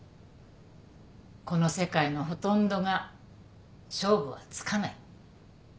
この世界のほとんどが勝負はつかない。